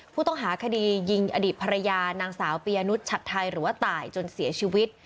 ผู้ต้องหาคดียิงอดีตภรรยานางสาวปียนุษชัดไทยหรือว่าตายจนเสียชีวิต